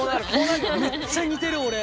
めっちゃ似てる俺。